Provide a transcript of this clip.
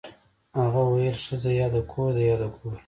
هغه ویل ښځه یا د کور ده یا د ګور